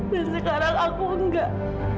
dan sekarang aku enggak